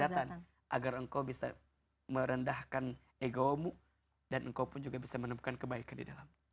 pemutus kelezatan agar engkau bisa merendahkan ego mu dan engkau pun bisa menemukan kebaikan di dalam